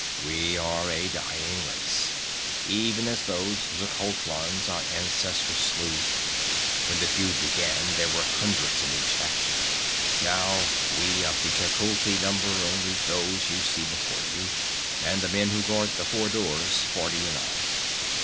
"We are a dying race, even as those Xuchotlans our ancestors slew. When the feud began there were hundreds in each faction. Now we of Tecuhltli number only these you see before you, and the men who guard the four doors: forty in all.